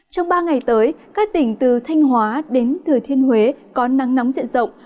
trong ba ngày tới các tỉnh từ thanh hóa đến thừa thiên huế có nắng nóng diện rộng